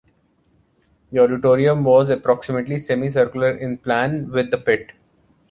The auditorium was approximately semi-circular in plan, with the Pit.